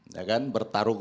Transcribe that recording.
ya kan bertarung